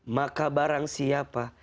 maka barang siapa